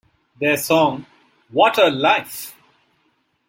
Their song What a Life!